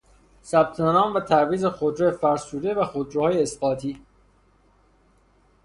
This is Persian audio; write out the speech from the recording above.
ثبت نام و تعویض خودرو فرسوده و خودرو های اسقاطی